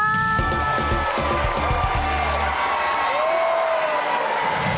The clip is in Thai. ของฉัน